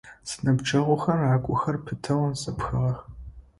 Зэныбджэгъухэм агухэр пытэу зэпхыгъэх.